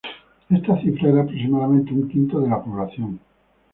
Esta cifra era aproximadamente un quinto de la población.